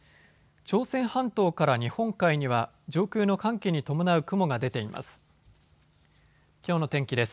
朝鮮半島から日本海には上空の寒気に伴う雲が出ています。